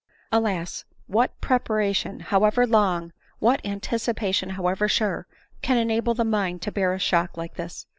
Alas ! what preparation however long, what anticipation 17 190 ADELINE MOWBRAY. however sure, can enable the mind to bear a shock like this